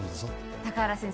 高原先生